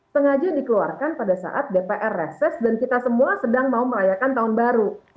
sengaja dikeluarkan pada saat dpr reses dan kita semua sedang mau merayakan tahun baru